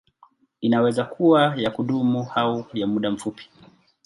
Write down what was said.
Inaweza kuwa ya kudumu au ya muda mfupi.